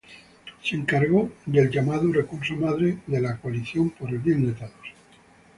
Se encargó del llamado recurso madre de la Coalición Por el Bien de Todos.